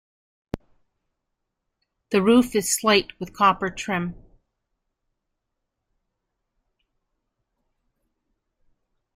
The roof is slate with copper trim.